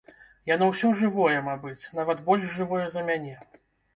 Яно ўсё жывое, мабыць, нават больш жывое за мяне.